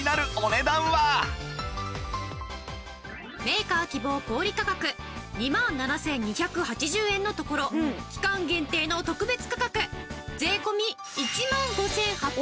メーカー希望小売価格２万７２８０円のところ期間限定の特別価格税込１万５８００円。